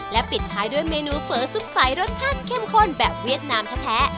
ปิดท้ายด้วยเมนูเฝอซุปใสรสชาติเข้มข้นแบบเวียดนามแท้